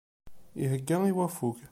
Ihegga i waffug.